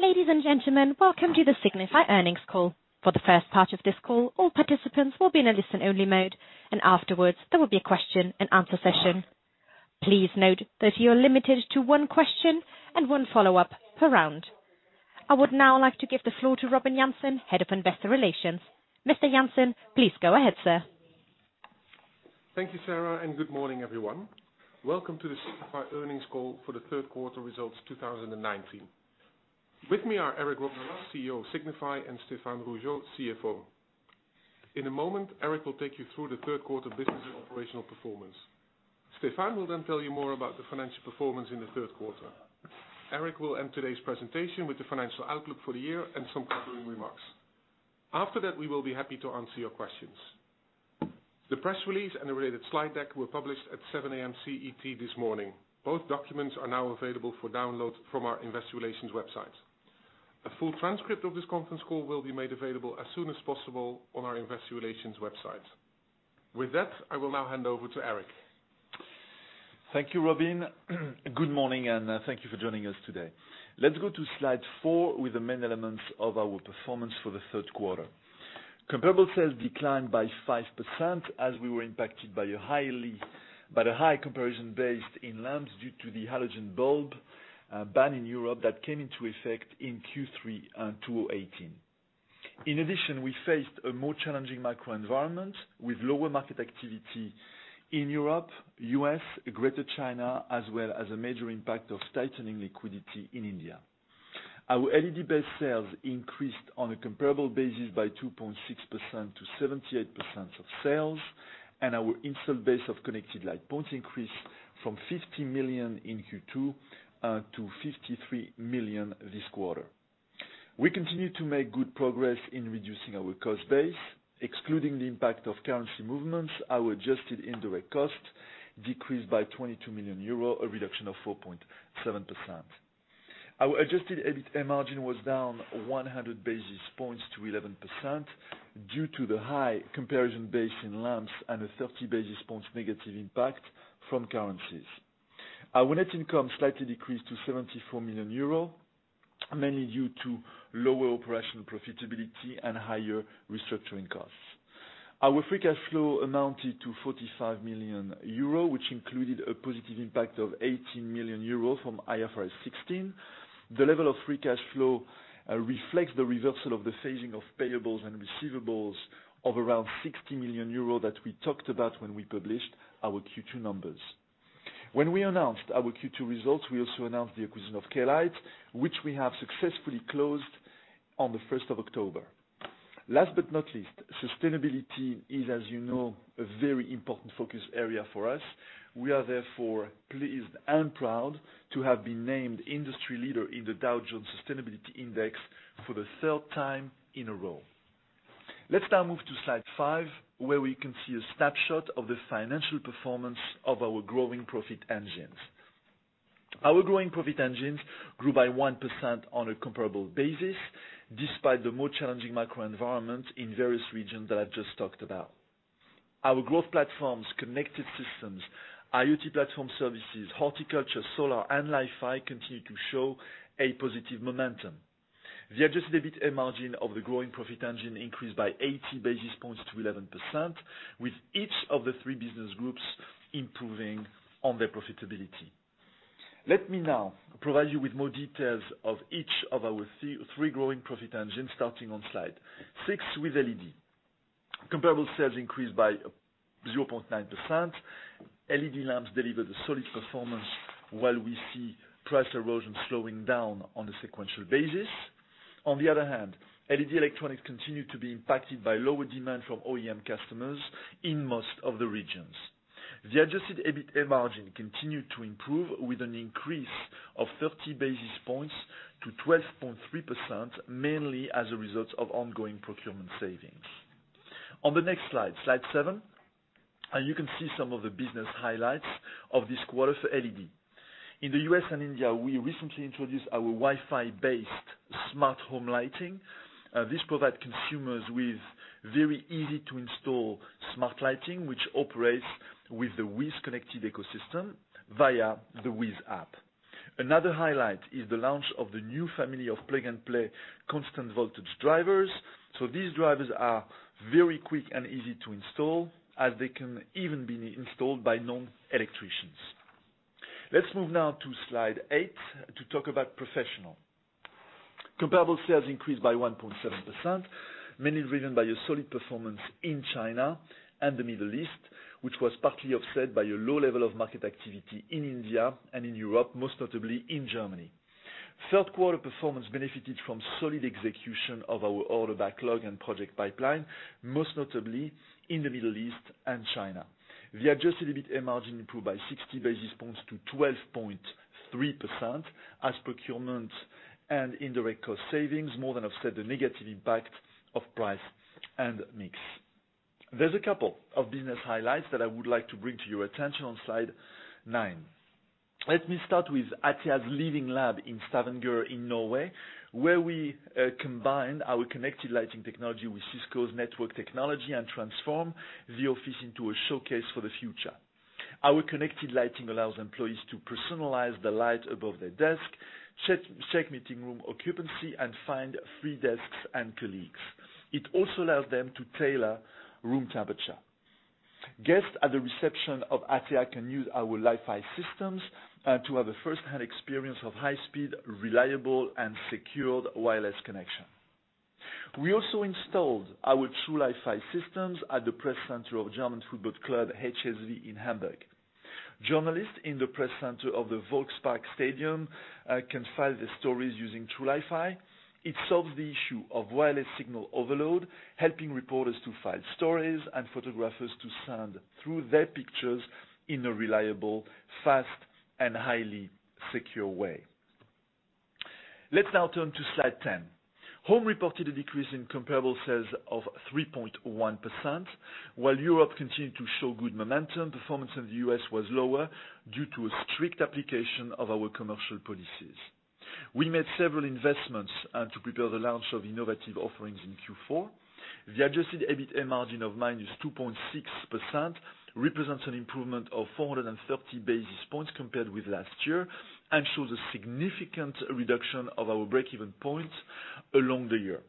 Ladies and gentlemen, welcome to the Signify earnings call. For the first part of this call, all participants will be in a listen-only mode, and afterwards, there will be a question and answer session. Please note that you are limited to one question and one follow-up per round. I would now like to give the floor to Robin Jansen, head of investor relations. Mr. Jansen, please go ahead, sir. Thank you, Sarah. Good morning, everyone. Welcome to the Signify earnings call for the third quarter results 2019. With me are Eric Rondolat, CEO of Signify, and Stéphane Rougeot, CFO. In a moment, Eric will take you through the third quarter business operational performance. Stéphane will then tell you more about the financial performance in the third quarter. Eric will end today's presentation with the financial outlook for the year and some concluding remarks. After that, we will be happy to answer your questions. The press release and the related slide deck were published at 7:00 A.M. CET this morning. Both documents are now available for download from our investor relations website. A full transcript of this conference call will be made available as soon as possible on our investor relations website. With that, I will now hand over to Eric. Thank you, Robin. Good morning, thank you for joining us today. Let's go to slide four with the main elements of our performance for the third quarter. Comparable sales declined by 5% as we were impacted by the high comparison based in lamps, due to the halogen bulb ban in Europe that came into effect in Q3 2018. In addition, we faced a more challenging macro environment with lower market activity in Europe, U.S., Greater China, as well as a major impact of tightening liquidity in India. Our LED-based sales increased on a comparable basis by 2.6% to 78% of sales, and our installed base of connected light points increased from 50 million in Q2 to 53 million this quarter. We continue to make good progress in reducing our cost base. Excluding the impact of currency movements, our adjusted indirect cost decreased by 22 million euro, a reduction of 4.7%. Our adjusted EBITA margin was down 100 basis points to 11% due to the high comparison base in lamps and a 30 basis points negative impact from currencies. Our net income slightly decreased to 74 million euro, mainly due to lower operational profitability and higher restructuring costs. Our free cash flow amounted to 45 million euro, which included a positive impact of 18 million euro from IFRS 16. The level of free cash flow reflects the reversal of the phasing of payables and receivables of around 60 million euros that we talked about when we published our Q2 numbers. When we announced our Q2 results, we also announced the acquisition of Klite, which we have successfully closed on the 1st of October. Last but not least, sustainability is, as you know, a very important focus area for us. We are therefore pleased and proud to have been named industry leader in the Dow Jones Sustainability Index for the third time in a row. Let's now move to slide five, where we can see a snapshot of the financial performance of our growing profit engines. Our growing profit engines grew by 1% on a comparable basis, despite the more challenging macro environment in various regions that I've just talked about. Our growth platforms, connected systems, IoT platform services, horticulture, solar, and Li-Fi, continue to show a positive momentum. The adjusted EBITA margin of the growing profit engine increased by 80 basis points to 11%, with each of the three business groups improving on their profitability. Let me now provide you with more details of each of our three growing profit engines, starting on slide six with LED. Comparable sales increased by 0.9%. LED lamps delivered a solid performance while we see price erosion slowing down on a sequential basis. LED electronics continued to be impacted by lower demand from OEM customers in most of the regions. The adjusted EBITA margin continued to improve with an increase of 30 basis points to 12.3%, mainly as a result of ongoing procurement savings. On the next slide seven, you can see some of the business highlights of this quarter for LED. In the U.S. and India, we recently introduced our Wi-Fi-based smart home lighting. This provides consumers with very easy-to-install smart lighting, which operates with the WiZ connected ecosystem via the WiZ app. Another highlight is the launch of the new family of plug-and-play constant voltage drivers. These drivers are very quick and easy to install, as they can even be installed by non-electricians. Let's move now to slide eight to talk about Professional. Comparable sales increased by 1.7%, mainly driven by a solid performance in China and the Middle East, which was partly offset by a low level of market activity in India and in Europe, most notably in Germany. Third quarter performance benefited from solid execution of our order backlog and project pipeline, most notably in the Middle East and China. The adjusted EBITA margin improved by 60 basis points to 12.3% as procurement and indirect cost savings more than offset the negative impact of price and mix. There's a couple of business highlights that I would like to bring to your attention on slide nine. Let me start with Atea's Living Lab in Stavanger in Norway, where we combined our connected lighting technology with Cisco's network technology and transformed the office into a showcase for the future. Our connected lighting allows employees to personalize the light above their desk, check meeting room occupancy, and find free desks and colleagues. It also allows them to tailor room temperature. Guests at the reception of Atea can use our Li-Fi systems to have a first-hand experience of high-speed, reliable, and secured wireless connection. We also installed our Trulifi systems at the press center of German football club HSV in Hamburg. Journalists in the press center of the Volksparkstadion can file their stories using Trulifi. It solves the issue of wireless signal overload, helping reporters to file stories and photographers to send through their pictures in a reliable, fast, and highly secure way. Let's now turn to slide 10. Home reported a decrease in comparable sales of 3.1%. While Europe continued to show good momentum, performance in the U.S. was lower due to a strict application of our commercial policies. We made several investments to prepare the launch of innovative offerings in Q4. The adjusted EBITA margin of -2.6% represents an improvement of 430 basis points compared with last year and shows a significant reduction of our break-even points along the year.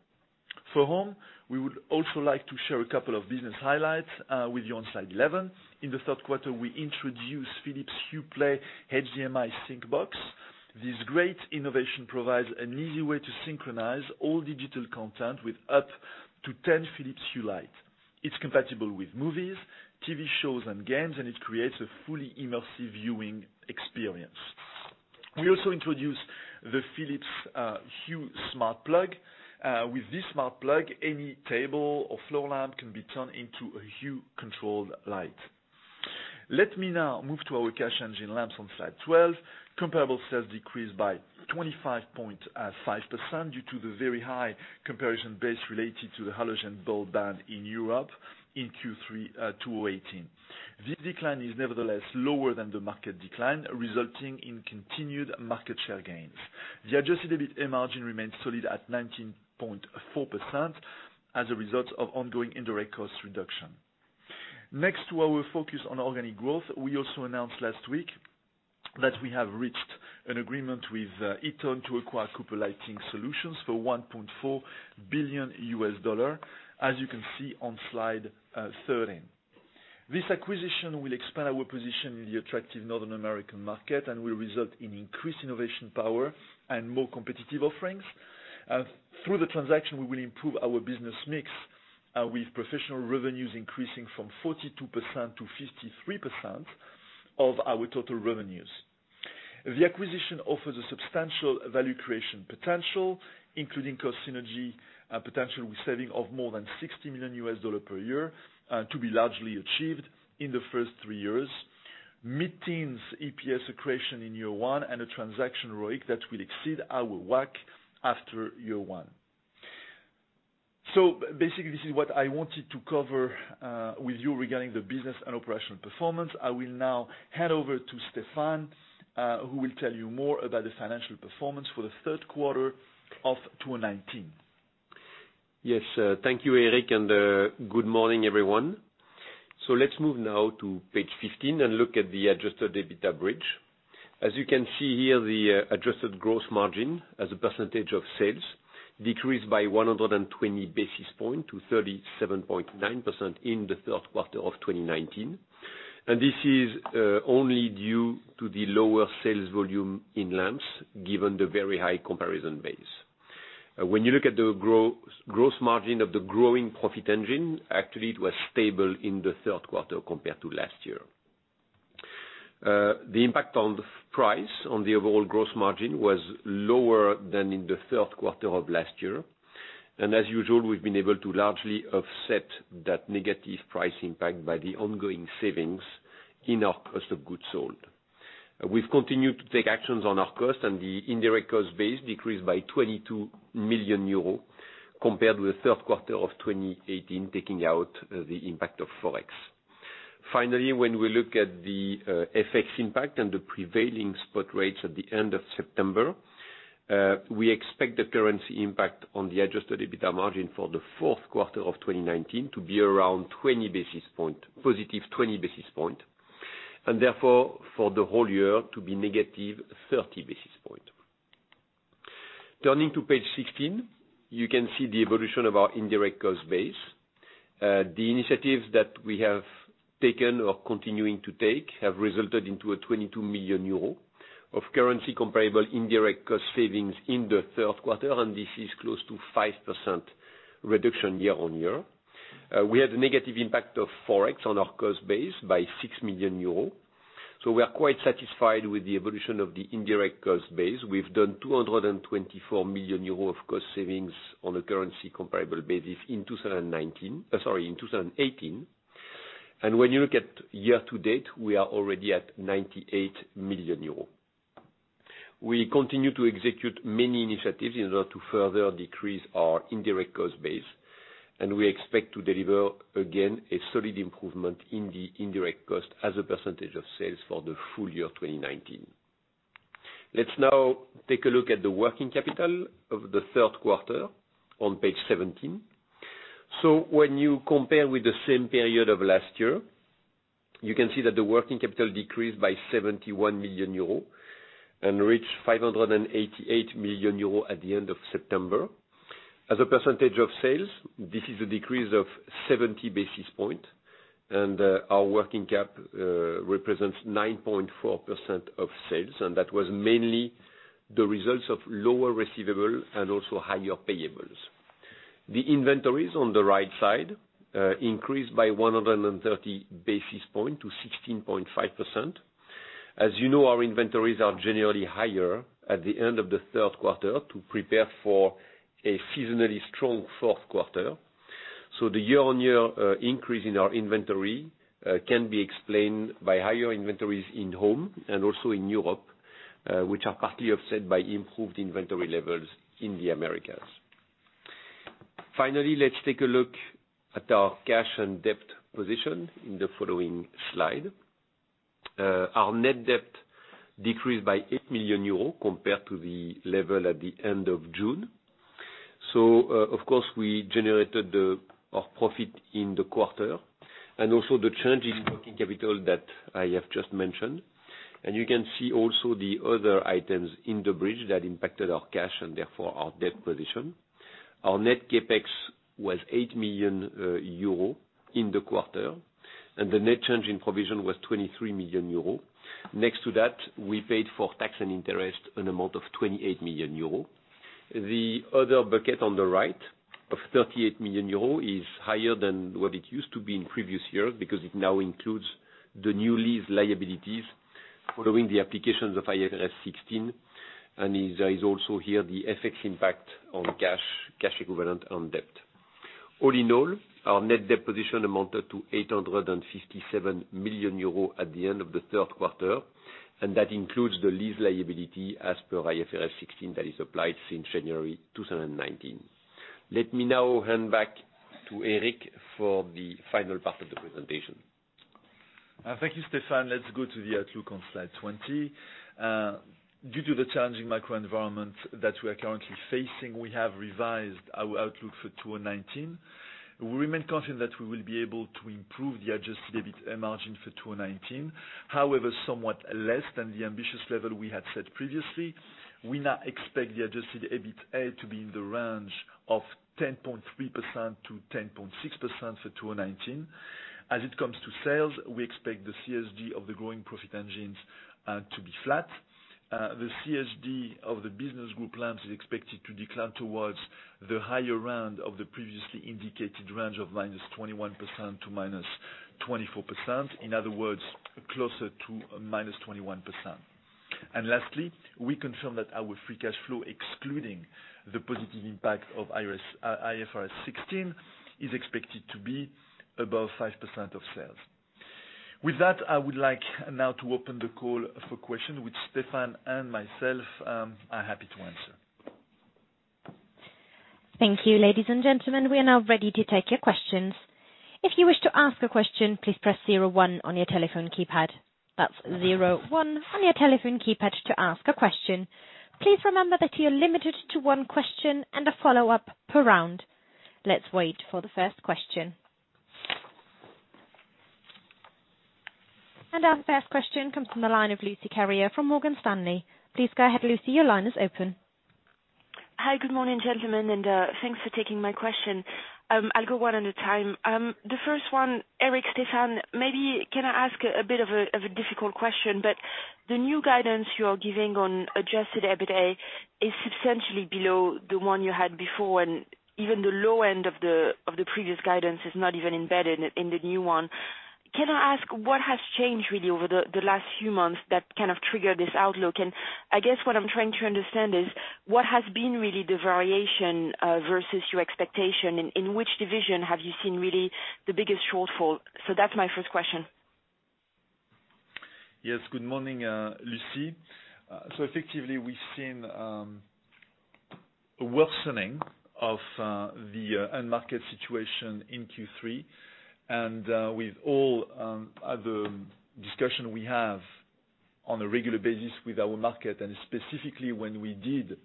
For Home, we would also like to share a couple of business highlights with you on slide 11. In the third quarter, we introduced Philips Hue Play HDMI Sync Box. This great innovation provides an easy way to synchronize all digital content with up to 10 Philips Hue lights. It's compatible with movies, TV shows, and games, and it creates a fully immersive viewing experience. We also introduced the Philips Hue Smart Plug. With this smart plug, any table or floor lamp can be turned into a Hue-controlled light. Let me now move to our cash engine lamps on slide 12. Comparable sales decreased by 25.5% due to the very high comparison base related to the halogen bulb ban in Europe in Q3 2018. This decline is nevertheless lower than the market decline, resulting in continued market share gains. The adjusted EBITA margin remains solid at 19.4% as a result of ongoing indirect cost reduction. Next to our focus on organic growth, we also announced last week that we have reached an agreement with Eaton to acquire Cooper Lighting Solutions for $1.4 billion, as you can see on slide 13. This acquisition will expand our position in the attractive Northern American market and will result in increased innovation power and more competitive offerings. Through the transaction, we will improve our business mix, with professional revenues increasing from 42% to 53% of our total revenues. The acquisition offers a substantial value creation potential, including cost synergy potential with saving of more than $60 million per year, to be largely achieved in the first three years. Mid-teens EPS accretion in year one, and a transaction ROIC that will exceed our WACC after year one. Basically, this is what I wanted to cover with you regarding the business and operational performance. I will now hand over to Stéphane, who will tell you more about the financial performance for the third quarter of 2019. Yes. Thank you, Eric, and good morning, everyone. Let's move now to page 15 and look at the adjusted EBITDA bridge. As you can see here, the adjusted gross margin as a percentage of sales decreased by 120 basis points to 37.9% in the third quarter of 2019. This is only due to the lower sales volume in lamps, given the very high comparison base. When you look at the gross margin of the growing profit engine, actually, it was stable in the third quarter compared to last year. The impact on the price on the overall gross margin was lower than in the third quarter of last year. As usual, we've been able to largely offset that negative price impact by the ongoing savings in our cost of goods sold. We've continued to take actions on our cost, and the indirect cost base decreased by 22 million euro compared with third quarter of 2018, taking out the impact of Forex. Finally, when we look at the FX impact and the prevailing spot rates at the end of September, we expect the currency impact on the adjusted EBITDA margin for the fourth quarter of 2019 to be around 20 basis points, positive 20 basis points, and therefore for the whole year to be negative 30 basis points. Turning to page 16, you can see the evolution of our indirect cost base. The initiatives that we have taken or continuing to take have resulted into a 22 million euro of currency comparable indirect cost savings in the third quarter, and this is close to 5% reduction year-on-year. We had a negative impact of Forex on our cost base by 6 million euros. We are quite satisfied with the evolution of the indirect cost base. We've done 224 million euros of cost savings on a currency comparable basis in 2019. Sorry, in 2018. When you look at year to date, we are already at 98 million euros. We continue to execute many initiatives in order to further decrease our indirect cost base, and we expect to deliver, again, a solid improvement in the indirect cost as a percentage of sales for the full- year 2019. Let's now take a look at the working capital of the third quarter on page 17. When you compare with the same period of last year, you can see that the working capital decreased by 71 million euro and reached 588 million euro at the end of September. As a percentage of sales, this is a decrease of 70 basis point, and our working cap represents 9.4% of sales, and that was mainly the results of lower receivable and also higher payables. The inventories on the right side increased by 130 basis point to 16.5%. As you know, our inventories are generally higher at the end of the third quarter to prepare for a seasonally strong fourth quarter. The year-on-year increase in our inventory can be explained by higher inventories in home and also in Europe, which are partly offset by improved inventory levels in the Americas. Finally, let's take a look at our cash and debt position in the following slide. Our net debt decreased by 8 million euros compared to the level at the end of June. Of course, we generated our profit in the quarter. Also the change in working capital that I have just mentioned. You can see also the other items in the bridge that impacted our cash and therefore our debt position. Our net CapEx was 8 million euro in the quarter, and the net change in provision was 23 million euro. Next to that, we paid for tax and interest an amount of 28 million euro. The other bucket on the right of 38 million euro is higher than what it used to be in previous years because it now includes the new lease liabilities following the applications of IFRS 16, and there is also here the FX impact on cash equivalent on debt. All in all, our net debt position amounted to 857 million euros at the end of the third quarter, and that includes the lease liability as per IFRS 16 that is applied since January 2019. Let me now hand back to Eric for the final part of the presentation. Thank you, Stéphane. Let's go to the outlook on slide 20. Due to the challenging macro environment that we are currently facing, we have revised our outlook for 2019. We remain confident that we will be able to improve the adjusted EBITA margin for 2019. Somewhat less than the ambitious level we had set previously. We now expect the adjusted EBITA to be in the range of 10.3%-10.6% for 2019. As it comes to sales, we expect the CSG of the growing profit engines to be flat. The CSG of the business group lamps is expected to decline towards the higher end of the previously indicated range of -21%-24%. In other words, closer to -21%. Lastly, we confirm that our free cash flow, excluding the positive impact of IFRS 16, is expected to be above 5% of sales. With that, I would like now to open the call for questions, which Stéphane and myself are happy to answer. Thank you, ladies and gentlemen. We are now ready to take your questions. If you wish to ask a question, please press zero one on your telephone keypad. That's zero one on your telephone keypad to ask a question. Please remember that you're limited to one question and a follow-up per round. Let's wait for the first question. Our first question comes from the line of Lucie Carrier from Morgan Stanley. Please go ahead, Lucie, your line is open. Hi, good morning, gentlemen, and thanks for taking my question. I'll go one at a time. The first one, Eric, Stéphane, maybe can I ask a bit of a difficult question, but the new guidance you are giving on adjusted EBITA is substantially below the one you had before, and even the low end of the previous guidance is not even embedded in the new one. Can I ask what has changed really over the last few months that kind of triggered this outlook? I guess what I am trying to understand is what has been really the variation versus your expectation, and in which division have you seen really the biggest shortfall? That's my first question. Yes, good morning, Lucie. Effectively, we've seen a worsening of the end market situation in Q3. With all other discussion we have on a regular basis with our market, and specifically when we did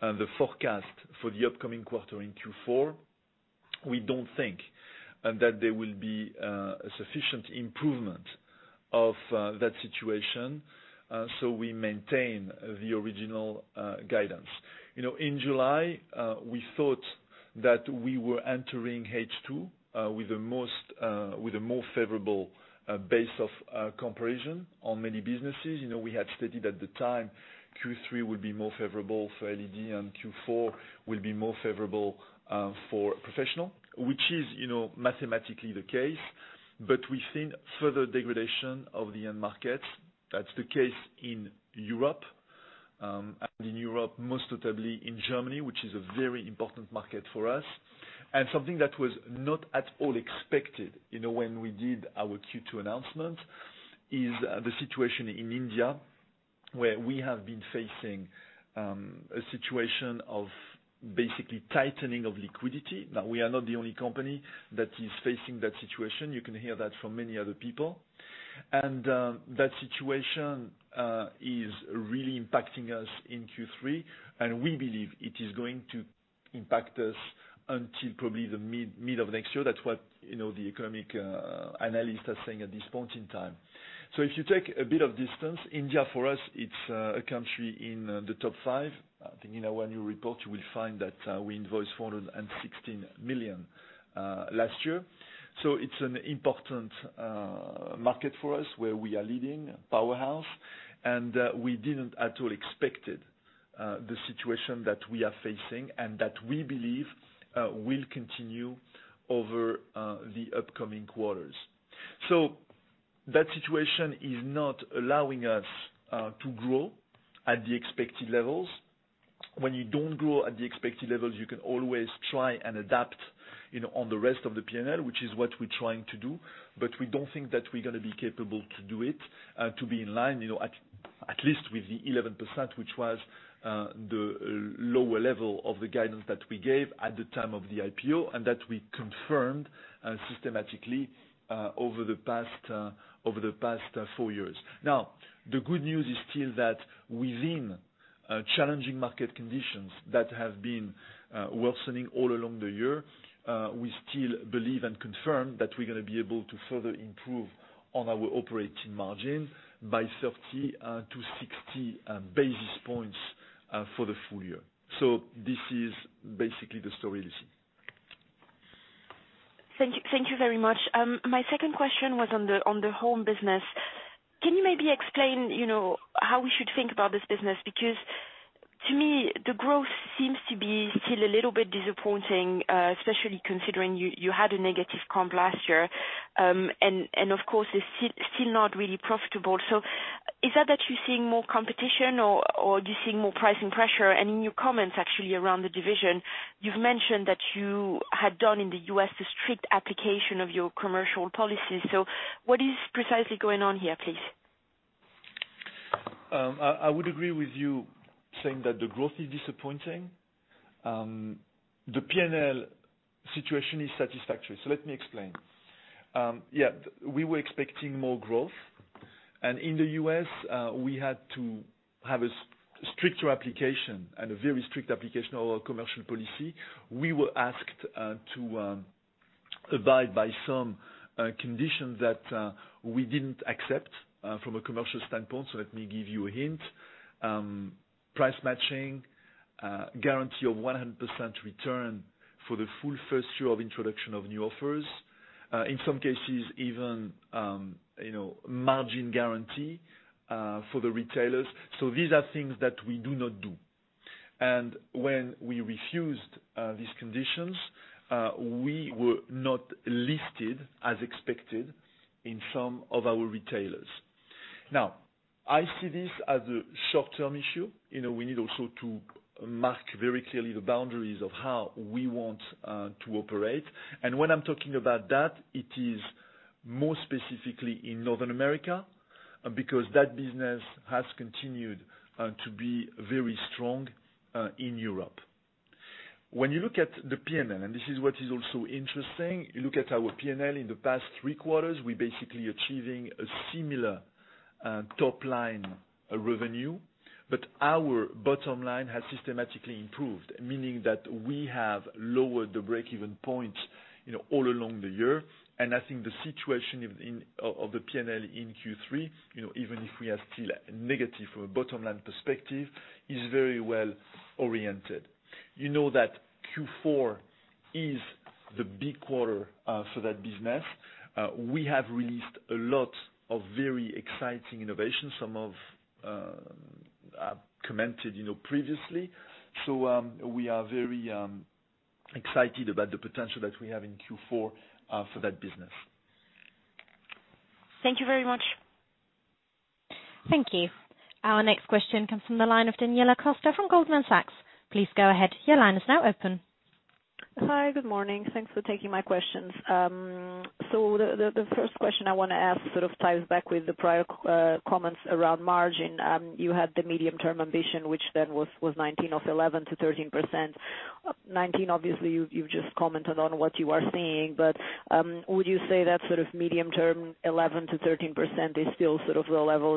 the forecast for the upcoming quarter in Q4, we don't think that there will be a sufficient improvement of that situation. We maintain the original guidance. In July, we thought that we were entering H2 with a more favorable base of comparison on many businesses. We had stated at the time Q3 would be more favorable for LED and Q4 will be more favorable for professional, which is mathematically the case. We've seen further degradation of the end markets. That's the case in Europe. In Europe, most notably in Germany, which is a very important market for us. Something that was not at all expected when we did our Q2 announcement is the situation in India, where we have been facing a situation of basically tightening of liquidity. We are not the only company that is facing that situation. You can hear that from many other people. That situation is really impacting us in Q3, and we believe it is going to impact us until probably the mid of next year. That's what the economic analysts are saying at this point in time. If you take a bit of distance, India, for us, it's a country in the top 5. I think in our new report, you will find that we invoiced 416 million last year. It's an important market for us, where we are leading, powerhouse, and we didn't at all expected the situation that we are facing and that we believe will continue over the upcoming quarters. That situation is not allowing us to grow at the expected levels. When you don't grow at the expected levels, you can always try and adapt on the rest of the P&L, which is what we're trying to do. But we don't think that we're going to be capable to do it, to be in line, at least with the 11%, which was the lower level of the guidance that we gave at the time of the IPO and that we confirmed systematically over the past four years. The good news is still that within challenging market conditions that have been worsening all along the year, we still believe and confirm that we're going to be able to further improve on our operating margin by 30-60 basis points for the full- year. This is basically the story, Lucie. Thank you very much. My second question was on the home business. Can you maybe explain how we should think about this business? Because, to me, the growth seems to be still a little bit disappointing, especially considering you had a negative comp last year. Of course, it's still not really profitable. Is that you're seeing more competition or are you seeing more pricing pressure? In your comments actually around the division, you've mentioned that you had done in the U.S. the strict application of your commercial policies. What is precisely going on here, please? I would agree with you saying that the growth is disappointing. The P&L situation is satisfactory. Let me explain. Yeah, we were expecting more growth, and in the U.S., we had to have a stricter application and a very strict application of our commercial policy. We were asked to abide by some conditions that we didn't accept from a commercial standpoint. Let me give you a hint. Price matching, guarantee of 100% return for the full first year of introduction of new offers. In some cases even margin guarantee for the retailers. These are things that we do not do. And when we refused these conditions, we were not listed as expected in some of our retailers. I see this as a short-term issue. We need also to mark very clearly the boundaries of how we want to operate. When I'm talking about that, it is more specifically in Northern America, because that business has continued to be very strong in Europe. When you look at the P&L, and this is what is also interesting, you look at our P&L in the past three quarters, we're basically achieving a similar top-line revenue, but our bottom line has systematically improved, meaning that we have lowered the break-even point all along the year. I think the situation of the P&L in Q3, even if we are still negative from a bottom-line perspective, is very well oriented. You know that Q4 is the big quarter for that business. We have released a lot of very exciting innovations, some of commented previously. We are very excited about the potential that we have in Q4 for that business. Thank you very much. Thank you. Our next question comes from the line of Daniela Costa from Goldman Sachs. Please go ahead. Your line is now open. Hi. Good morning. Thanks for taking my questions. The first question I want to ask sort of ties back with the prior comments around margin. You had the medium-term ambition, which then was 2019 of 11%-13%. 2019, obviously, you've just commented on what you are seeing. Would you say that sort of medium-term 11%-13% is still the level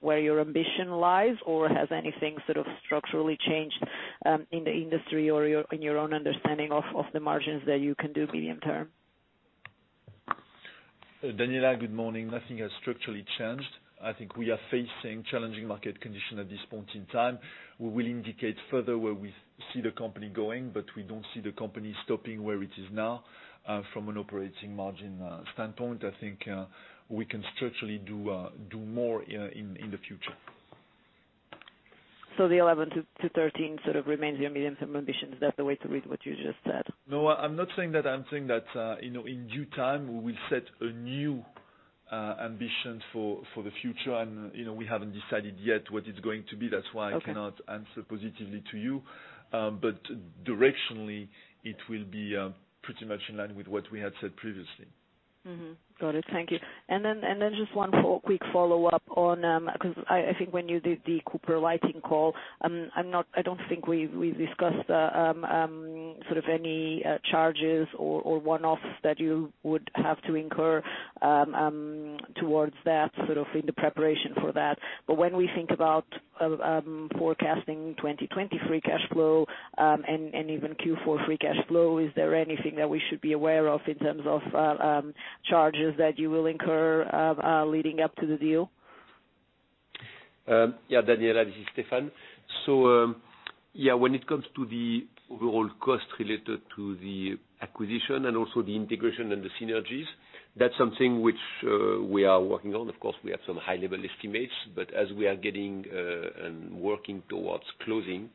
where your ambition lies, or has anything structurally changed in the industry or in your own understanding of the margins that you can do medium term? Daniela, good morning. Nothing has structurally changed. I think we are facing challenging market condition at this point in time. We will indicate further where we see the company going, but we don't see the company stopping where it is now from an operating margin standpoint. I think we can structurally do more in the future. The 11%-13% remains your medium-term ambition. Is that the way to read what you just said? No, I'm not saying that. I'm saying that in due time, we will set a new ambition for the future, and we haven't decided yet what it's going to be. That's why I cannot answer positively to you. Directionally, it will be pretty much in line with what we had said previously. Mm-hmm. Got it. Thank you. Then just one quick follow-up on, because I think when you did the Cooper Lighting call, I don't think we discussed sort of any charges or one-offs that you would have to incur towards that in the preparation for that. When we think about forecasting 2020 free cash flow, and even Q4 free cash flow, is there anything that we should be aware of in terms of charges that you will incur leading up to the deal? Yeah, Daniela, this is Stéphane. When it comes to the overall cost related to the acquisition and also the integration and the synergies, that's something which we are working on. Of course, we have some high-level estimates, but as we are getting and working towards closing,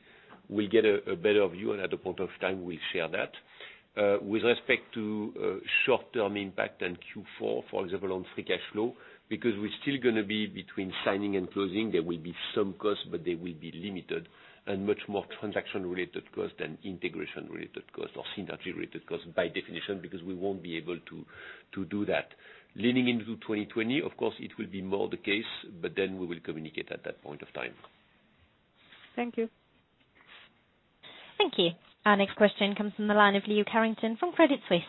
we'll get a better view, and at a point of time, we'll share that. With respect to short-term impact in Q4, for example, on free cash flow, because we're still going to be between signing and closing, there will be some costs, but they will be limited and much more transaction-related cost than integration-related cost or synergy-related cost, by definition, because we won't be able to do that. Leaning into 2020, of course, it will be more the case, we will communicate at that point of time. Thank you. Thank you. Our next question comes from the line of Leo Carrington from Credit Suisse.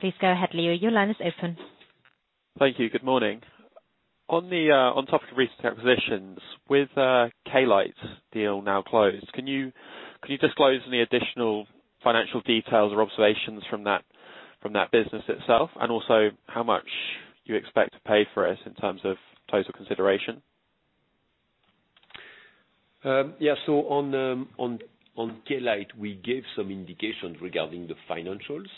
Please go ahead, Leo, your line is open. Thank you. Good morning. On top of recent acquisitions, with Klite deal now closed, can you disclose any additional financial details or observations from that business itself? How much you expect to pay for it in terms of total consideration? On Klite, we gave some indications regarding the financials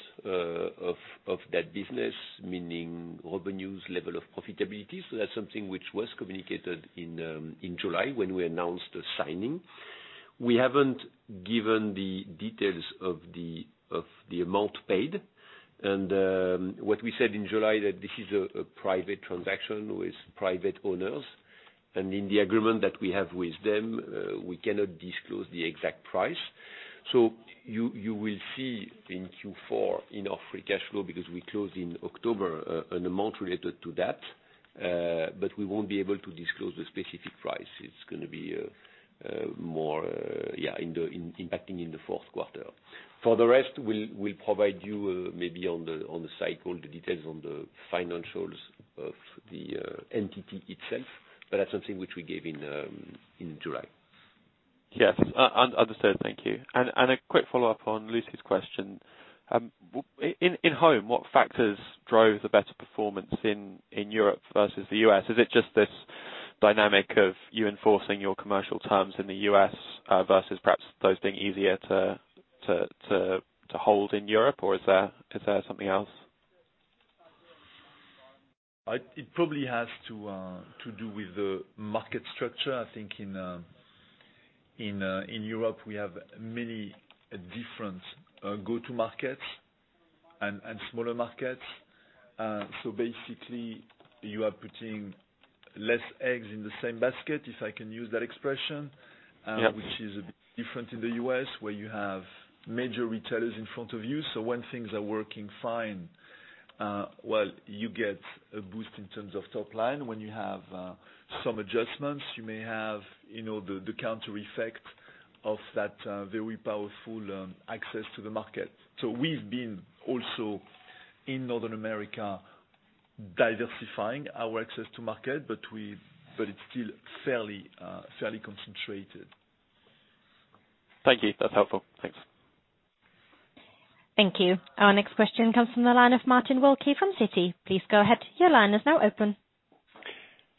of that business, meaning revenues, level of profitability. That's something which was communicated in July when we announced the signing. We haven't given the details of the amount paid. What we said in July, that this is a private transaction with private owners, and in the agreement that we have with them, we cannot disclose the exact price. You will see in Q4 in our free cash flow, because we close in October, an amount related to that, but we won't be able to disclose the specific price. It's going to be more impacting in the fourth quarter. For the rest, we'll provide you maybe on the cycle, the details on the financials of the entity itself, but that's something which we gave in July. Yes. Understood. Thank you. A quick follow-up on Lucie's question. In Home, what factors drove the better performance in Europe versus the U.S.? Is it just this dynamic of you enforcing your commercial terms in the U.S. versus perhaps those being easier to hold in Europe, or is there something else? It probably has to do with the market structure. I think in Europe, we have many different go-to markets and smaller markets. Basically, you are putting less eggs in the same basket, if I can use that expression. Yeah. Which is a bit different in the U.S., where you have major retailers in front of you. When things are working fine, well, you get a boost in terms of top line. When you have some adjustments, you may have the counter effect of that very powerful access to the market. We've been also in Northern America diversifying our access to market, but it's still fairly concentrated. Thank you. That's helpful. Thanks. Thank you. Our next question comes from the line of Martin Wilkie from Citi. Please go ahead, your line is now open.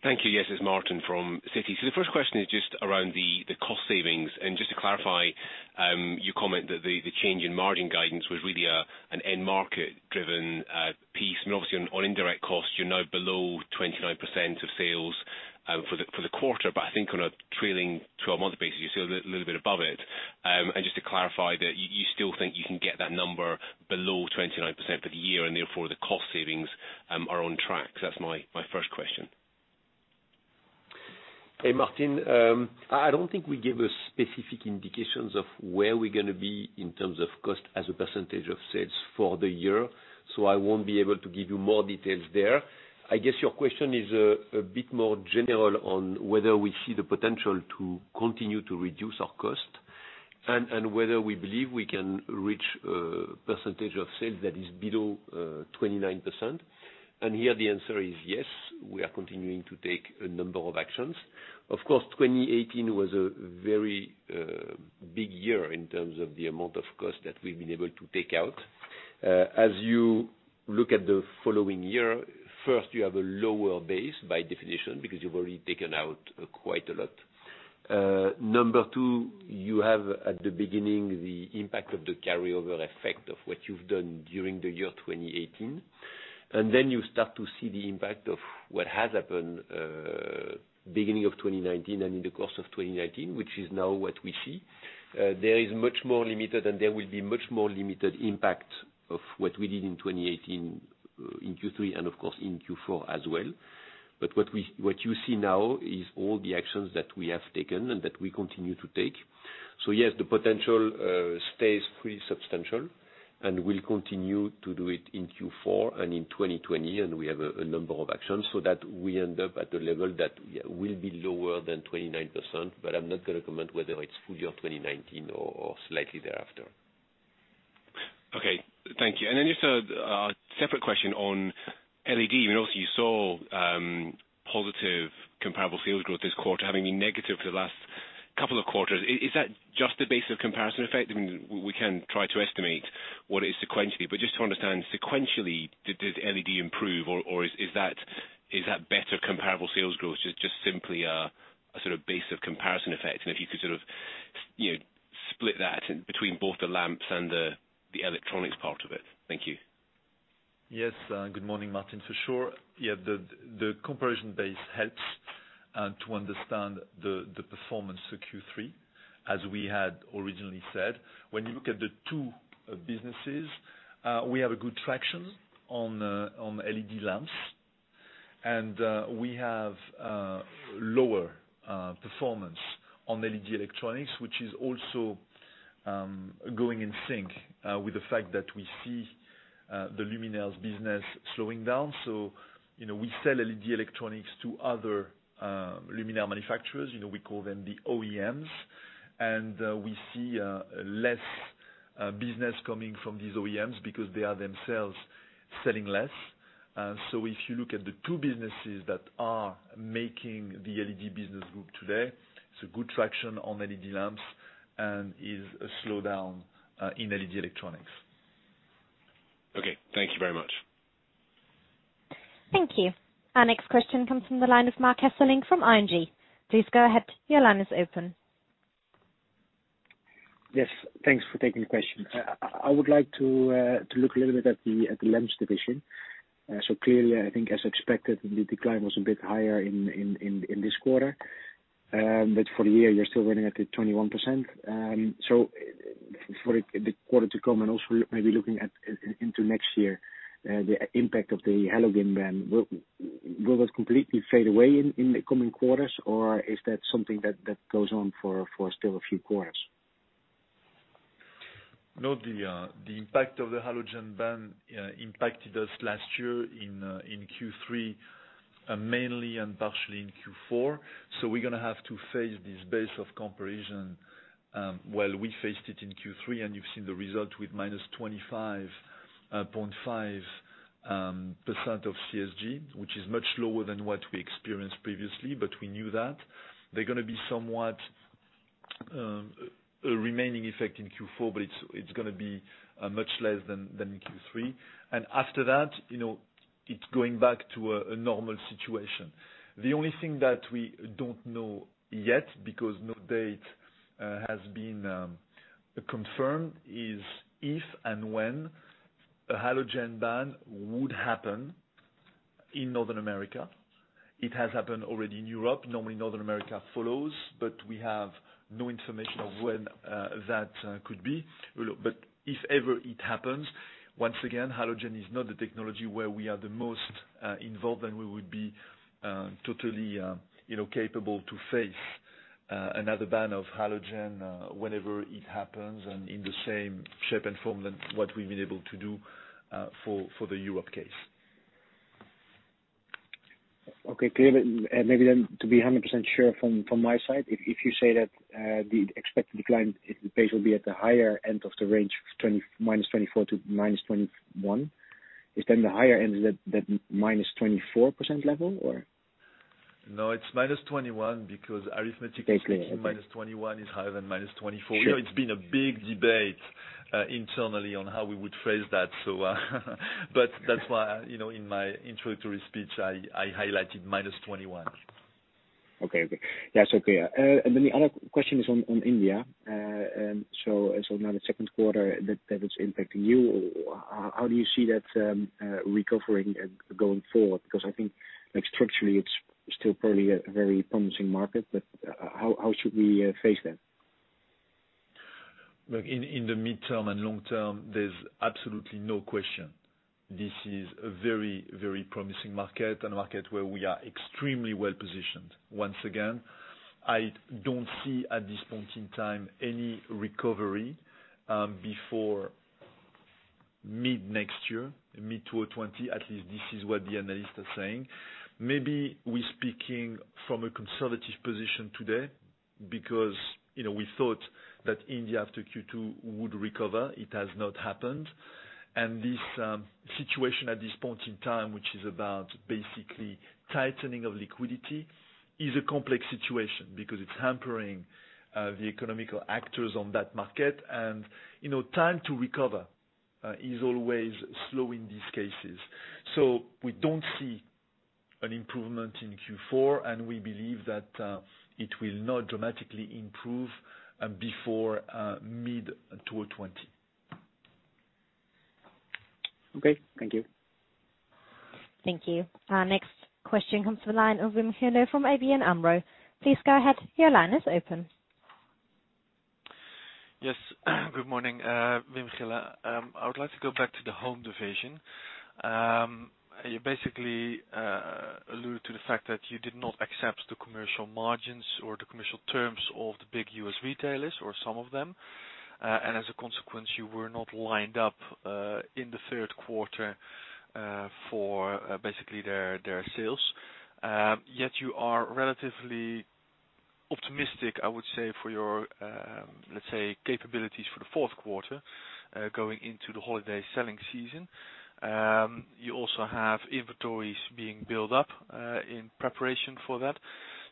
Thank you. Yes, it's Martin from Citi. The first question is just around the cost savings. Just to clarify, you comment that the change in margin guidance was really an end market driven piece. Obviously, on indirect costs, you're now below 29% of sales for the quarter. I think on a trailing 12-month basis, you're still a little bit above it. Just to clarify that you still think you can get that number below 29% for the year, and therefore the cost savings are on track. That's my first question. Hey, Martin. I don't think we give a specific indications of where we're going to be in terms of cost as a percentage of sales for the year, so I won't be able to give you more details there. I guess your question is a bit more general on whether we see the potential to continue to reduce our cost, and whether we believe we can reach a percentage of sales that is below 29%. Here the answer is yes, we are continuing to take a number of actions. Of course, 2018 was a very big year in terms of the amount of cost that we've been able to take out. As you look at the following year, first, you have a lower base by definition, because you've already taken out quite a lot. Number 2, you have at the beginning, the impact of the carryover effect of what you've done during the year 2018. You start to see the impact of what has happened beginning of 2019 and in the course of 2019, which is now what we see. There is much more limited, and there will be much more limited impact of what we did in 2018 in Q3, and of course in Q4 as well. What you see now is all the actions that we have taken and that we continue to take. Yes, the potential stays pretty substantial. We'll continue to do it in Q4 and in 2020. We have a number of actions so that we end up at a level that will be lower than 29%, but I'm not going to comment whether it's fully of 2019 or slightly thereafter. Okay. Thank you. Just a separate question on LED. We noticed you saw positive comparable sales growth this quarter, having been negative for the last couple of quarters. Is that just the base of comparison effect? We can try to estimate what is sequentially, just to understand sequentially, did LED improve or is that better comparable sales growth just simply a sort of base of comparison effect? If you could sort of split that between both the lamps and the electronics part of it. Thank you. Yes. Good morning, Martin. For sure. The comparison base helps to understand the performance for Q3, as we had originally said. When you look at the two businesses, we have a good traction on LED lamps, and we have lower performance on LED electronics, which is also going in sync with the fact that we see the luminaires business slowing down. We sell LED electronics to other luminaire manufacturers, we call them the OEMs. We see less business coming from these OEMs because they are themselves selling less. If you look at the two businesses that are making the LED business group today, it's a good traction on LED lamps and is a slowdown in LED electronics. Okay. Thank you very much. Thank you. Our next question comes from the line of Marc Hesselink from ING. Please go ahead, your line is open. Yes, thanks for taking the question. I would like to look a little bit at the lamps division. Clearly, I think as expected, the decline was a bit higher in this quarter. For the year, you're still running at the 21%. For the quarter to come, and also maybe looking at into next year, the impact of the halogen ban. Will that completely fade away in the coming quarters, or is that something that goes on for still a few quarters? The impact of the halogen ban impacted us last year in Q3 mainly and partially in Q4. We're going to have to face this base of comparison. Well, we faced it in Q3, and you've seen the result with -25.5% of CSG, which is much lower than what we experienced previously, but we knew that. They're going to be somewhat a remaining effect in Q4, but it's going to be much less than in Q3. After that, it's going back to a normal situation. The only thing that we don't know yet, because no date has been confirmed, is if and when a halogen ban would happen in Northern America. It has happened already in Europe. Normally, Northern America follows, but we have no information of when that could be. If ever it happens, once again, halogen is not the technology where we are the most involved, and we would be totally capable to face another ban of halogen whenever it happens and in the same shape and form than what we've been able to do for the Europe case. Okay. Clear. Maybe then to be 100% sure from my side, if you say that the expected decline, the pace will be at the higher end of the range, -24% to -21%. Is then the higher end is at that -24% level or? No, it's -21 because arithmetically- Basically. Okay. -21 is higher than -24. Sure. It's been a big debate internally on how we would phrase that. That's why, in my introductory speech, I highlighted -21. Okay. That's okay. The other question is on India. Now the second quarter that it's impacting you, how do you see that recovering going forward? I think structurally, it's still probably a very promising market, but how should we face that? Look, in the midterm and long term, there's absolutely no question. This is a very promising market and a market where we are extremely well-positioned. Once again, I don't see at this point in time any recovery before mid-next year, mid-2020. At least this is what the analysts are saying. Maybe we're speaking from a conservative position today because we thought that India after Q2 would recover. It has not happened. This situation at this point in time, which is about basically tightening of liquidity, is a complex situation because it's hampering the economic actors on that market. Time to recover is always slow in these cases. We don't see an improvement in Q4, and we believe that it will not dramatically improve before mid-2020. Okay. Thank you. Thank you. Our next question comes to the line of Wim Gille from ABN AMRO. Please go ahead. Your line is open. Yes. Good morning, Wim Gille. I would like to go back to the home division. You basically allude to the fact that you did not accept the commercial margins or the commercial terms of the big U.S. retailers or some of them. As a consequence, you were not lined up in the third quarter for basically their sales. You are relatively optimistic, I would say, for your capabilities for the fourth quarter, going into the holiday selling season. You also have inventories being built up in preparation for that.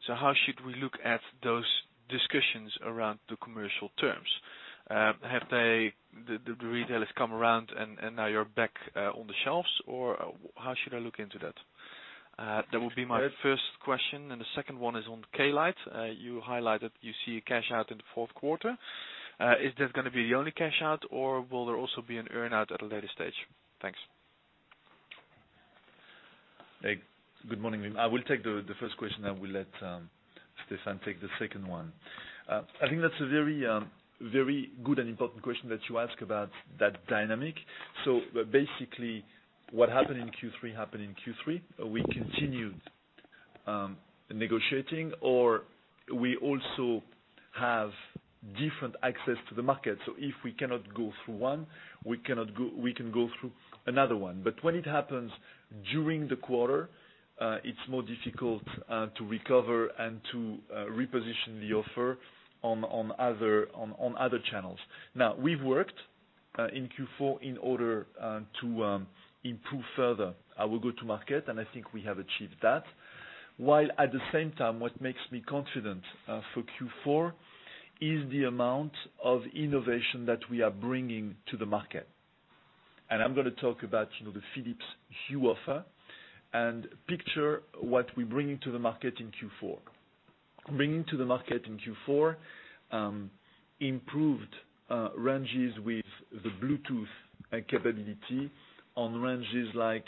How should we look at those discussions around the commercial terms? Have the retailers come around and now you're back on the shelves, or how should I look into that? That would be my first question, the second one is on Klite. You highlighted you see a cash-out in the fourth quarter. Is that going to be the only cash-out, or will there also be an earn-out at a later stage? Thanks. Good morning. I will take the first question, I will let Stéphane take the second one. I think that's a very good and important question that you ask about that dynamic. Basically, what happened in Q3 happened in Q3. We continued negotiating, or we also have different access to the market. If we cannot go through one, we can go through another one. When it happens during the quarter, it's more difficult to recover and to reposition the offer on other channels. We've worked in Q4 in order to improve further our go-to-market, I think we have achieved that. While at the same time, what makes me confident for Q4 is the amount of innovation that we are bringing to the market. I'm going to talk about the Philips Hue offer and picture what we bring into the market in Q4. Bringing to the market in Q4 improved ranges with the Bluetooth capability on ranges like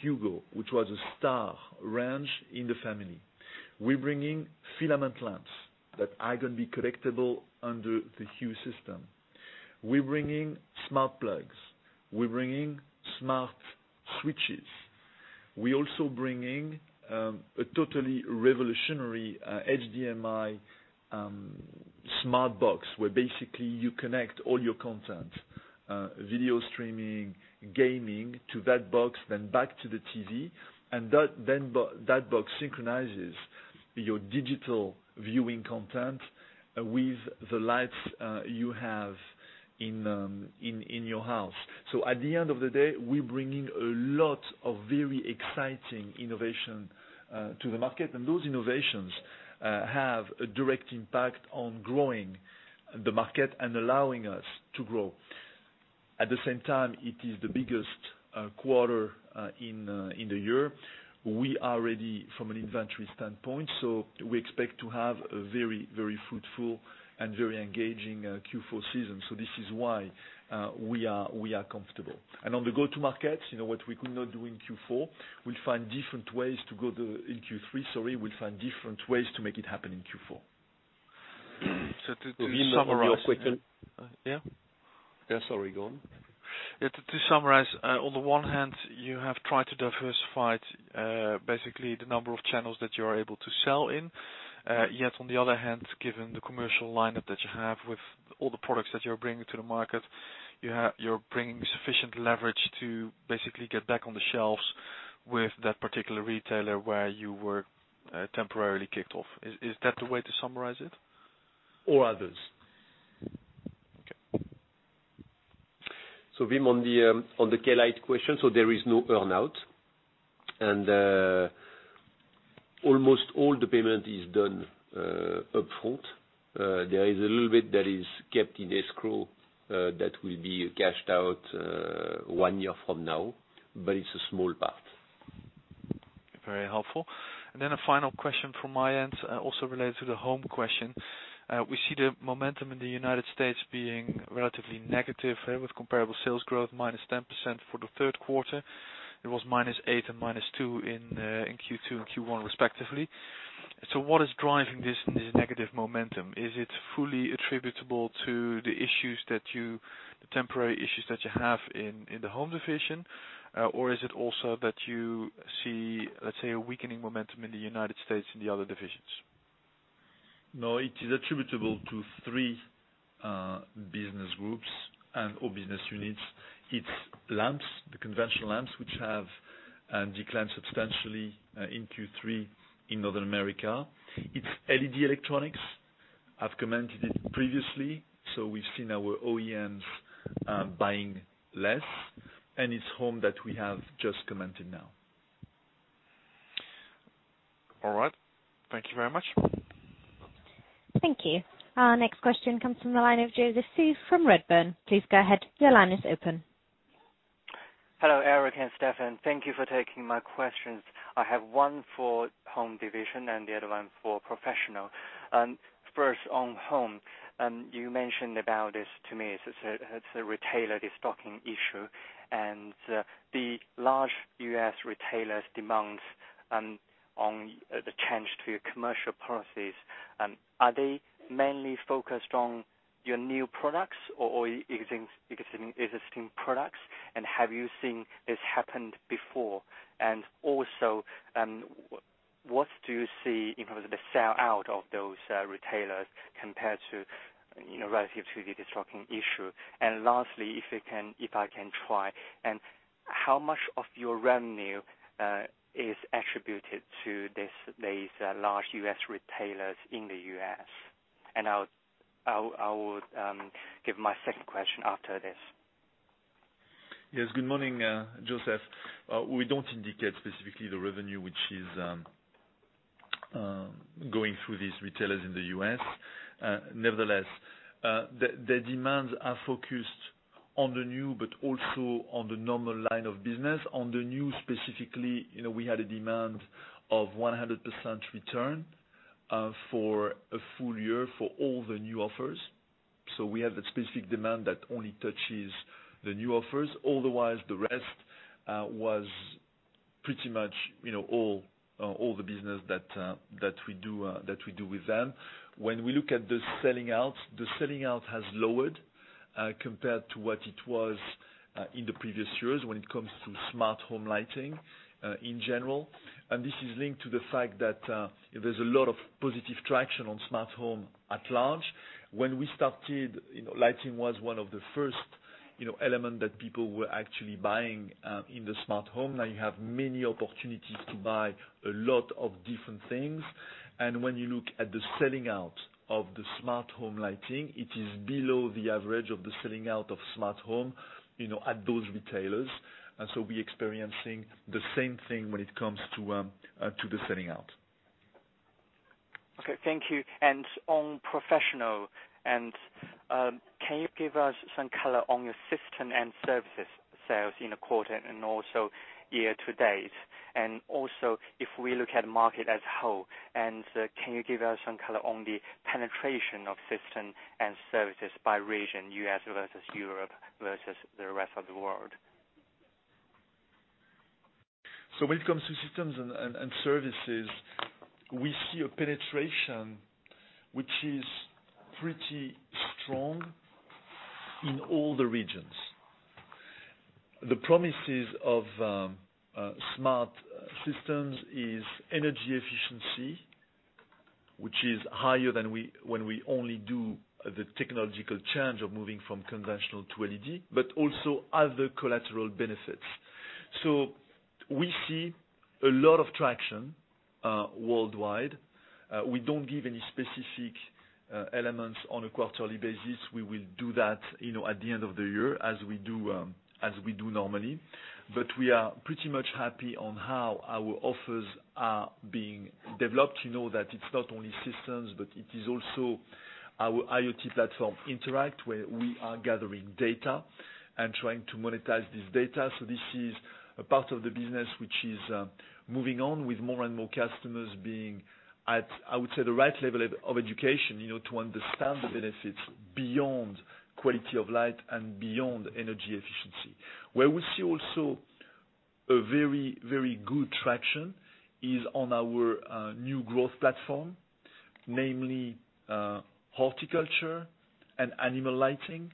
Hue Go, which was a star range in the family. We're bringing filament lamps that are going to be collectible under the Hue system. We're bringing smart plugs. We're bringing smart switches. We're also bringing a totally revolutionary HDMI smart box, where basically you connect all your content, video streaming, gaming to that box, then back to the TV, and that box synchronizes your digital viewing content with the lights you have in your house. At the end of the day, we're bringing a lot of very exciting innovation to the market, and those innovations have a direct impact on growing the market and allowing us to grow. At the same time, it is the biggest quarter in the year. We are ready from an inventory standpoint, so we expect to have a very fruitful and very engaging Q4 season. This is why we are comfortable. On the go-to-market, what we could not do in Q4, in Q3, sorry, we'll find different ways to make it happen in Q4. To summarize. Wim, your question. Yeah? Yeah, sorry, go on. To summarize, on the one hand, you have tried to diversify basically the number of channels that you are able to sell in. On the other hand, given the commercial lineup that you have with all the products that you're bringing to the market, you're bringing sufficient leverage to basically get back on the shelves with that particular retailer where you were temporarily kicked off. Is that the way to summarize it? Others. Okay. Wim, on the Klite question, there is no earn-out, and almost all the payment is done upfront. There is a little bit that is kept in escrow that will be cashed out one year from now, but it's a small part. Very helpful. A final question from my end, also related to the Home question. We see the momentum in the United States being relatively negative there with Comparable Sales Growth, -10% for the third quarter. It was -8 and -2 in Q2 and Q1 respectively. What is driving this negative momentum? Is it fully attributable to the temporary issues that you have in the Home division? Or is it also that you see, let's say, a weakening momentum in the United States in the other divisions? No, it is attributable to three business groups or business units. It's lamps, the conventional lamps, which have declined substantially in Q3 in North America. It's LED electronics. I've commented it previously. We've seen our OEMs buying less. It's home that we have just commented now. All right. Thank you very much. Thank you. Our next question comes from the line of Joseph Siew from Redburn. Please go ahead. Your line is open. Hello, Eric and Stéphane. Thank you for taking my questions. I have one for home division and the other one for professional. First on home, you mentioned about this to me. It's a retailer destocking issue, and the large U.S. retailers' demands on the change to your commercial policies. Are they mainly focused on your new products or existing products? Have you seen this happen before? Also, What do you see in terms of the sellout of those retailers compared to, relative to the destocking issue? Lastly, if I can try, how much of your revenue is attributed to these large U.S. retailers in the U.S.? I will give my second question after this. Yes. Good morning, Joseph. We don't indicate specifically the revenue which is going through these retailers in the U.S. Nevertheless, their demands are focused on the new, but also on the normal line of business. On the new, specifically, we had a demand of 100% return for a full- year for all the new offers. We have that specific demand that only touches the new offers. Otherwise, the rest was pretty much all the business that we do with them. When we look at the selling out, the selling out has lowered compared to what it was in the previous years when it comes to smart home lighting in general. This is linked to the fact that there's a lot of positive traction on smart home at large. When we started, lighting was one of the first element that people were actually buying in the smart home. Now you have many opportunities to buy a lot of different things. When you look at the selling out of the smart home lighting, it is below the average of the selling out of smart home, at those retailers. We're experiencing the same thing when it comes to the selling out. Okay. Thank you. On professional, can you give us some color on your system and services sales in the quarter and also year to date? Also if we look at market as a whole, can you give us some color on the penetration of system and services by region, U.S. versus Europe versus the rest of the world? When it comes to systems and services, we see a penetration which is pretty strong in all the regions. The promises of smart systems is energy efficiency, which is higher than when we only do the technological change of moving from conventional to LED, but also other collateral benefits. We see a lot of traction worldwide. We don't give any specific elements on a quarterly basis. We will do that at the end of the year as we do normally. We are pretty much happy on how our offers are being developed. You know that it's not only systems, but it is also our IoT platform Interact, where we are gathering data and trying to monetize this data. This is a part of the business which is moving on with more and more customers being at, I would say, the right level of education, to understand the benefits beyond quality of light and beyond energy efficiency. Where we see also a very good traction is on our new growth platform, namely horticulture and animal lighting.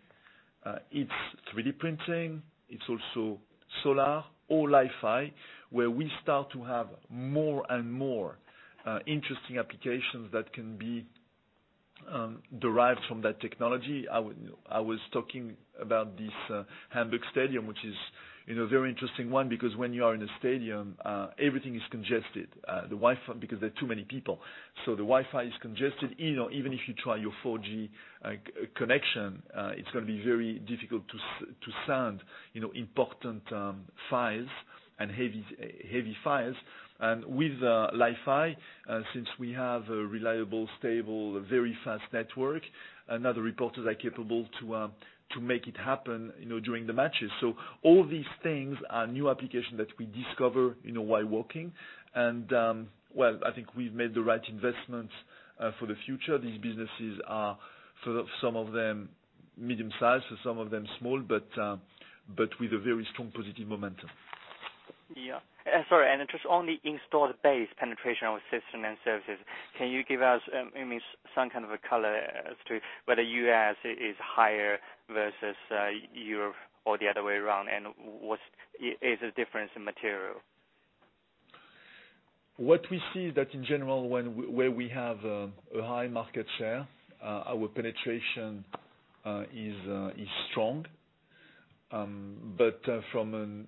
It is 3D printing. It is also solar or Li-Fi, where we start to have more and more interesting applications that can be derived from that technology. I was talking about this Hamburg Stadium, which is a very interesting one because when you are in a stadium, everything is congested because there are too many people. The Wi-Fi is congested. Even if you try your 4G connection, it is going to be very difficult to send important files and heavy files. With LiFi, since we have a reliable, stable, very fast network, now the reporters are capable to make it happen during the matches. All these things are new application that we discover while working. Well, I think we've made the right investments for the future. These businesses are, some of them medium-sized or some of them small, but with a very strong positive momentum. Yeah. Sorry, just on the installed base penetration of system and services, can you give us maybe some kind of a color as to whether U.S. is higher versus Europe or the other way around? Is the difference material? What we see is that in general, where we have a high market share, our penetration is strong. From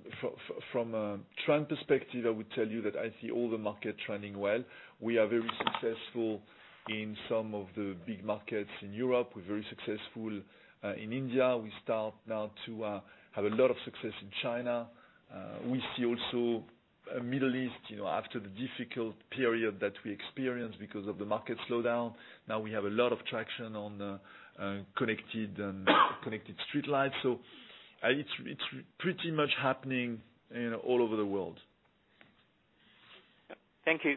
a trend perspective, I would tell you that I see all the market trending well. We are very successful in some of the big markets in Europe. We're very successful in India. We start now to have a lot of success in China. We see also Middle East, after the difficult period that we experienced because of the market slowdown, now we have a lot of traction on connected streetlights. It's pretty much happening all over the world. Thank you.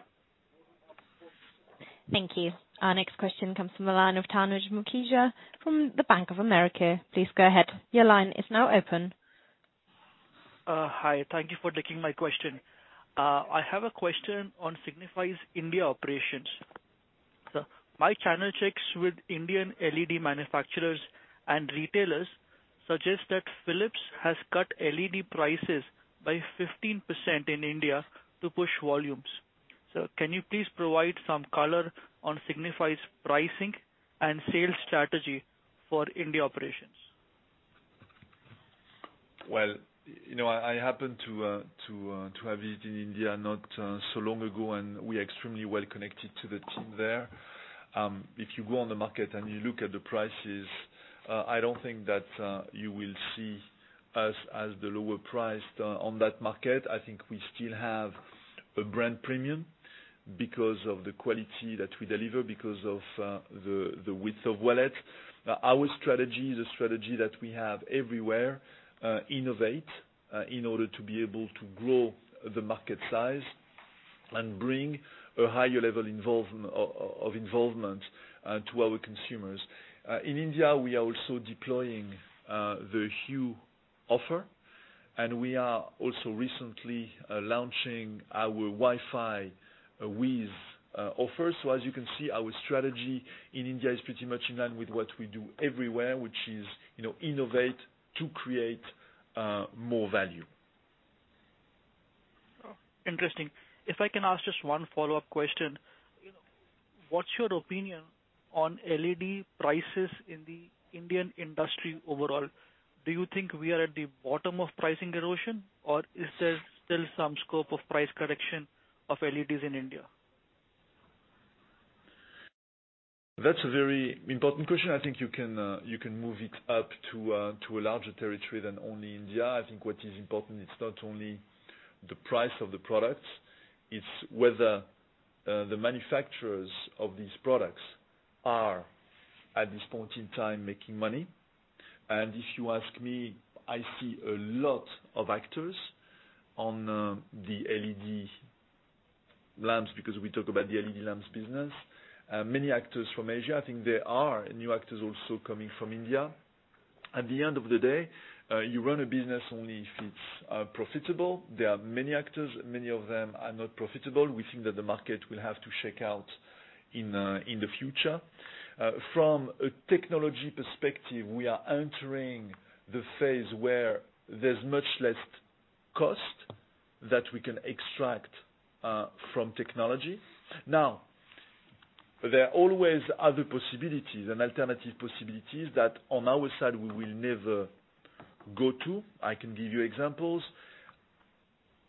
Thank you. Our next question comes from the line of Tanuj Mukhija from Bank of America. Please go ahead. Your line is now open. Hi. Thank you for taking my question. I have a question on Signify's India operations. Sir, my channel checks with Indian LED manufacturers and retailers suggest that Philips has cut LED prices by 15% in India to push volumes. Sir, can you please provide some color on Signify's pricing and sales strategy for India operations? Well, I happened to have visited India not so long ago, and we are extremely well-connected to the team there. If you go on the market and you look at the prices, I don't think that you will see us as the lower price on that market. I think we still have a brand premium because of the quality that we deliver, because of the width of wallet. Our strategy is a strategy that we have everywhere, innovate, in order to be able to grow the market size and bring a higher level of involvement to our consumers. In India, we are also deploying the Hue offer, and we are also recently launching our Wi-Fi WiZ offer. As you can see, our strategy in India is pretty much in line with what we do everywhere, which is innovate to create more value. Oh, interesting. If I can ask just one follow-up question. What's your opinion on LED prices in the Indian industry overall? Do you think we are at the bottom of pricing erosion, or is there still some scope of price correction of LEDs in India? That's a very important question. I think you can move it up to a larger territory than only India. I think what is important, it's not only the price of the product, it's whether the manufacturers of these products are, at this point in time, making money. If you ask me, I see a lot of actors on the LED lamps, because we talk about the LED lamps business. Many actors from Asia, I think there are new actors also coming from India. At the end of the day, you run a business only if it's profitable. There are many actors. Many of them are not profitable. We think that the market will have to shake out in the future. From a technology perspective, we are entering the phase where there's much less cost that we can extract from technology. Now, there are always other possibilities and alternative possibilities that on our side, we will never go to. I can give you examples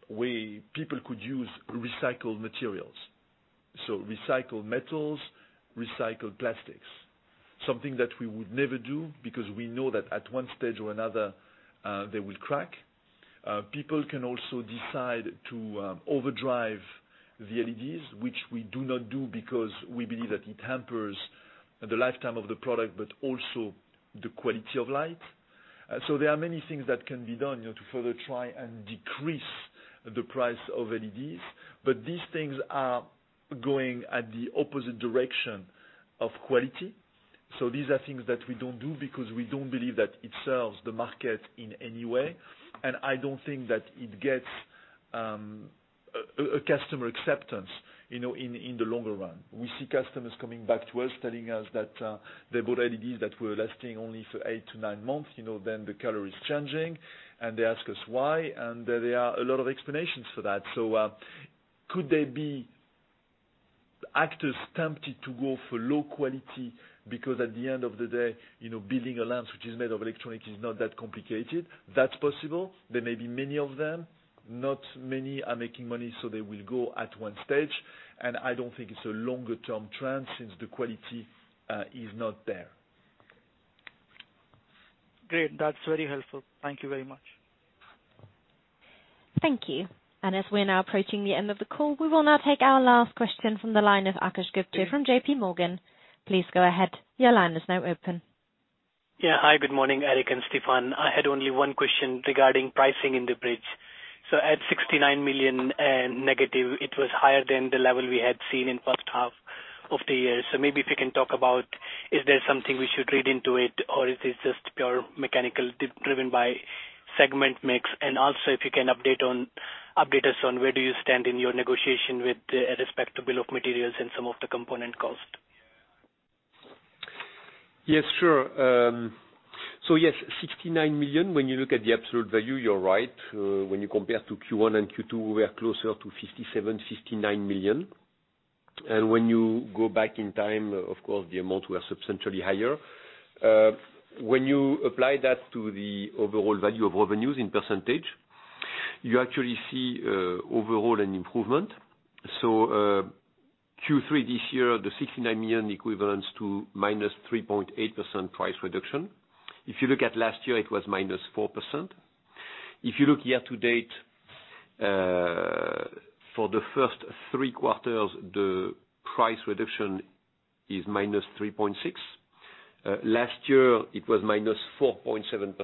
where people could use recycled materials. Recycled metals, recycled plastics. Something that we would never do because we know that at one stage or another, they will crack. People can also decide to overdrive the LEDs, which we do not do because we believe that it hampers the lifetime of the product, but also the quality of light. There are many things that can be done to further try and decrease the price of LEDs. These things are going at the opposite direction of quality. These are things that we don't do because we don't believe that it serves the market in any way. I don't think that it gets a customer acceptance in the longer run. We see customers coming back to us telling us that they bought LEDs that were lasting only for eight to nine months, then the color is changing, and they ask us why, and there are a lot of explanations for that. Could they be actors tempted to go for low quality because at the end of the day, building a lamp which is made of electronics is not that complicated? That's possible. There may be many of them. Not many are making money, so they will go at one stage, and I don't think it's a longer-term trend since the quality is not there. Great. That's very helpful. Thank you very much. Thank you. As we're now approaching the end of the call, we will now take our last question from the line of Akash Gupta from JP Morgan. Please go ahead. Your line is now open. Hi, good morning, Eric and Stéphane. I had only one question regarding pricing in the bridge. At 69 million negative, it was higher than the level we had seen in first half of the year. Maybe if you can talk about, is there something we should read into it, or is this just pure mechanical, driven by segment mix? Also if you can update us on where do you stand in your negotiation with respect to bill of materials and some of the component cost? Yes, sure. Yes, 69 million, when you look at the absolute value, you're right. When you compare to Q1 and Q2, we are closer to 57 million, 59 million. When you go back in time, of course the amounts were substantially higher. When you apply that to the overall value of revenues in %, you actually see overall an improvement. Q3 this year, the 69 million equivalents to minus 3.8% price reduction. If you look at last year, it was minus 4%. If you look year to date, for the first three quarters, the price reduction is minus 3.6%. Last year it was minus 4.7%.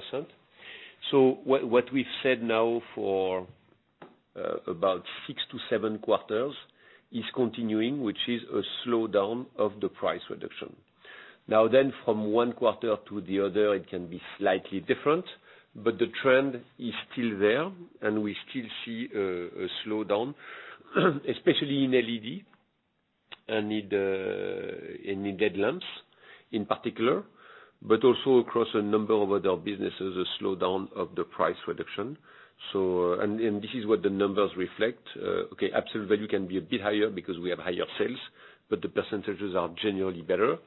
What we've said now for about six to seven quarters is continuing, which is a slowdown of the price reduction. From one quarter to the other, it can be slightly different, but the trend is still there and we still see a slowdown, especially in LED and in LED lamps in particular, but also across a number of other businesses, a slowdown of the price reduction. This is what the numbers reflect. Okay, absolute value can be a bit higher because we have higher sales, but the percentages are generally better.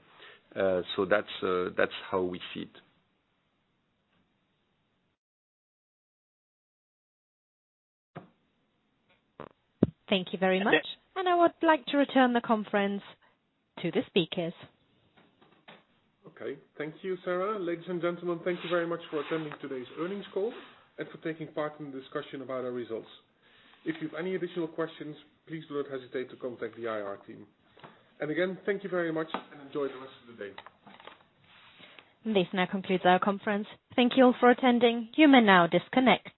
That's how we see it. Thank you very much. Okay. I would like to return the conference to the speakers. Okay. Thank you, Sarah. Ladies and gentlemen, thank you very much for attending today's earnings call and for taking part in the discussion about our results. If you've any additional questions, please do not hesitate to contact the IR team. Again, thank you very much and enjoy the rest of the day. This now concludes our conference. Thank you all for attending. You may now disconnect.